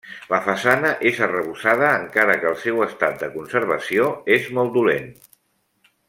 La façana és arrebossada, encara que el seu estat de conservació és molt dolent.